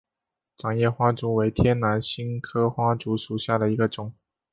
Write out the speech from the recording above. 掌叶花烛为天南星科花烛属下的一个种。